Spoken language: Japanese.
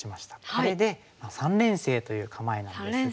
これで三連星という構えなんですが。